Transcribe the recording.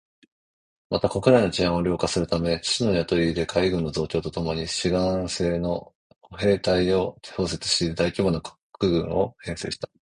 また、国内の治安を良化するため、騎士の雇い入れ、海軍の増強とともに志願制の歩兵隊を創設して大規模な国軍を編成した